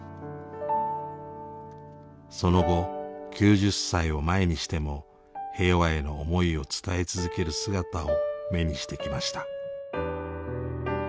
その後９０歳を前にしても平和への思いを伝え続ける姿を目にしてきました。